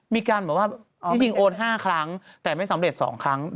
มีการบอกว่าจริงโอน๕ครั้งแต่ไม่สำเร็จ๒ครั้ง